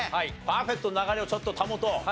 パーフェクトの流れをちょっと保とう。